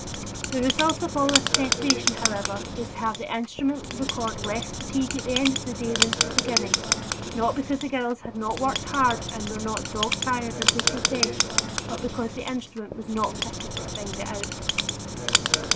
The result of all this preparation, however, was to have the instrument record less fatigue at the end of the day than at the beginning, not because the girls had not worked hard and were not "dog tired" as they confessed, but because the instrument was not fitted to find it out.